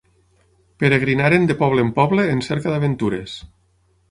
Peregrinaren de poble en poble en cerca d'aventures.